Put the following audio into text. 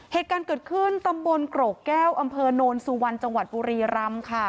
เหตุการณ์เกิดขึ้นตำบลโกรกแก้วอำเภอโนนสุวรรณจังหวัดบุรีรำค่ะ